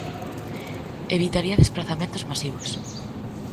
Evitaría desprazamentos masivos.